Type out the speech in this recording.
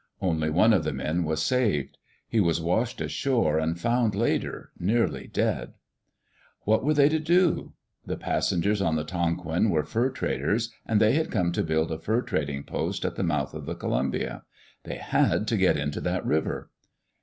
Only one of the men was saved. He was washed ashore and found later, nearly dead. What were they to do? The passengers on the Tonquin were fur traders, and they had come to build a fur trading post at the mouth of the Columbia. They had to get into that river.